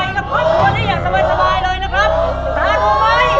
แล้วก็ได้อย่างสบายเลยนะครับตาถูกไหม